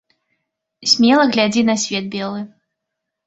Смела глядзі на свет белы.